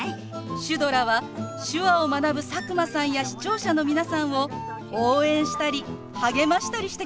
シュドラは手話を学ぶ佐久間さんや視聴者の皆さんを応援したり励ましたりしてくれるんですよ。